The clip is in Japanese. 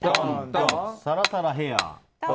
サラサラヘアー。